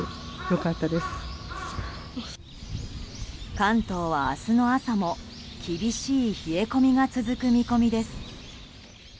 関東は明日の朝も厳しい冷え込みが続く見込みです。